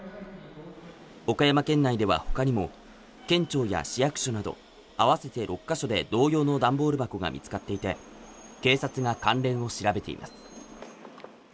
岡山県内では他にも、県庁や市役所など合わせて６か所で同様のダンボール箱が見つかっていて、警察が関連を調べています。